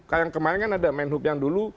kemarin kan ada menuh yang dulu